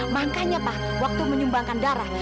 makanya pak waktu menyumbangkan darah